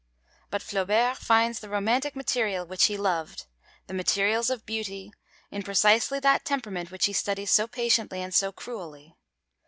But Flaubert finds the romantic material which he loved, the materials of beauty, in precisely that temperament which he studies so patiently and so cruelly.